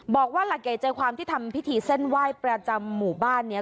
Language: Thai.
บอกว่าหลักใหญ่ใจความที่ทำพิธีเส้นไหว้ประจำหมู่บ้านเนี่ย